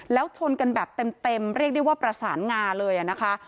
แล้วชนกันแบบเต็มเรียกได้ว่าประสานงาเลยนะคะ